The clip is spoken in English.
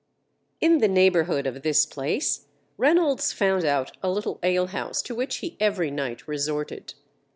In the neighbourhood of this place Reynolds found out a little alehouse to which he every night resorted.